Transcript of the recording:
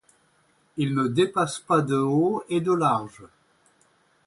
Il ne dépasse pas de haut et de large.